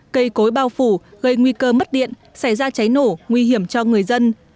cây cối bao phủ gây nguy cơ mất điện xảy ra cháy nổ nguy hiểm cho người dân